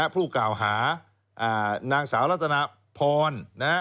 ผู้กล่าวหานางสาวรัตนาพร